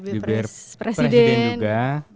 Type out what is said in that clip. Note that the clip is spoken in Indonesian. jubir presiden juga